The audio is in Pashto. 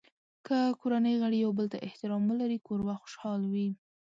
که کورنۍ غړي یو بل ته احترام ولري، کور به خوشحال وي.